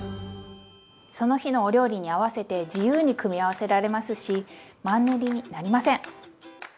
その日のお料理に合わせて自由に組み合わせられますしマンネリになりません！